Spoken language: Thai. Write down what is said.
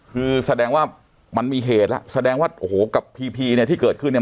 คือแสดงว่ามันมีเหตุแล้วแสดงว่าโอ้โหกับพีพีเนี่ยที่เกิดขึ้นเนี่ย